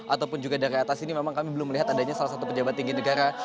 ataupun juga dari atas ini memang kami belum melihat adanya salah satu pejabat tinggi negara